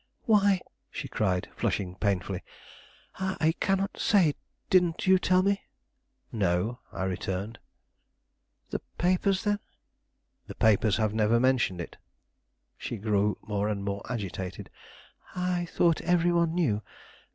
"Why," she cried, flushing painfully; "I cannot say; didn't you tell me?" "No," I returned. "The papers, then?" "The papers have never mentioned it." She grew more and more agitated. "I thought every one knew.